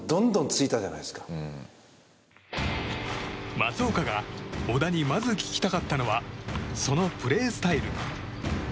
松岡が小田にまず聞きたかったのはそのプレースタイル。